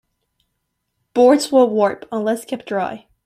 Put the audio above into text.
Boards will warp unless kept dry.